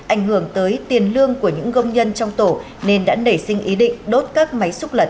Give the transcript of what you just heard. ảnh hưởng tới tiền lương của những công nhân trong tổ nên đã nảy sinh ý định đốt các máy xúc lật